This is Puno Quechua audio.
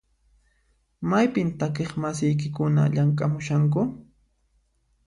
Maypin takiq masiykikuna llamk'amushanku?